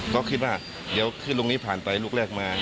ก็คิดว่าเดี๋ยวขึ้นลูกนี้ผ่านไปลูกแรกมา